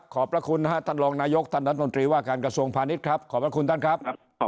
ขอบคุณท่านครับขอบคุณครับสวัสดีครับ